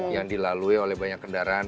yang dilalui oleh banyak kendaraan